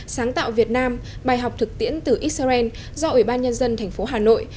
sáng tạo việt nam bài học thực tiễn từ israel do ủy ban nhân dân thành phố hà nội